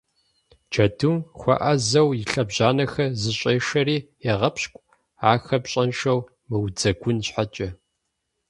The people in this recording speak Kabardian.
Джэдум хуэӏэзэу и лъэбжьанэхэр зэщӏешэри егъэпщкӏу, ахэр пщӏэншэу мыудзэгун щхьэкӏэ.